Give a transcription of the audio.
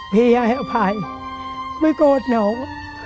พี่ให้อภัยไม่โกรธนอง